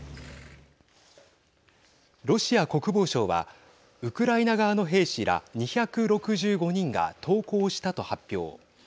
ロシア国防省はウクライナ側の兵士ら２６５人が投降したと発表。